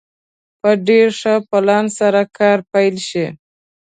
په ډېر ښه پلان سره کار پيل شي.